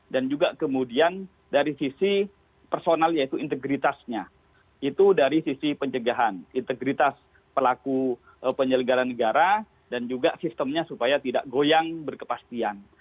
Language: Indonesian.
dan juga kemudian dari sisi personal yaitu integritas nya itu dari sisi pencegahan integritas pelaku penyelenggara negara dan juga sistemnya supaya tidak goyang berkepastian